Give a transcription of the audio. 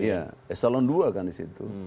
iya eselon dua kan di situ